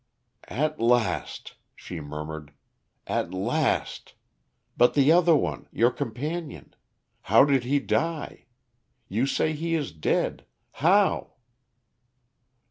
"At last," she murmured, "at last! But the other one your companion. How did he die? You say he is dead. How?"